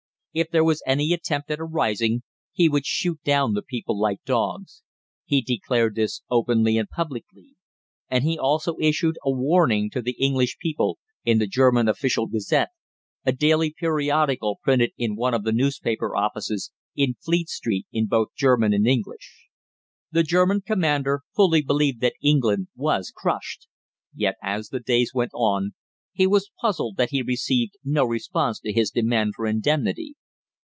If there was any attempt at a rising, he would shoot down the people like dogs. He declared this openly and publicly, and he also issued a warning to the English people in the German official "Gazette," a daily periodical printed in one of the newspaper offices in Fleet Street in both German and English. The German commander fully believed that England was crushed; yet, as the days went on, he was puzzled that he received no response to his demand for indemnity.